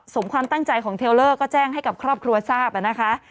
ความตั้งใจของเทลเลอร์ก็แจ้งให้กับครอบครัวทราบนะคะ